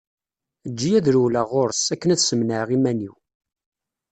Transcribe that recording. Eǧǧ-iyi ad rewleɣ ɣur-s, akken ad smenɛeɣ iman-iw.